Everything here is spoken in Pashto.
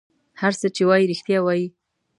هر څه چې وایي رېښتیا وایي.